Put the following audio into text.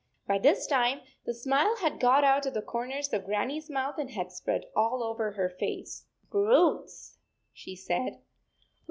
By this time, the smile had got out of the corners of Grannie s mouth and had spread all over her face. " Roots," she said.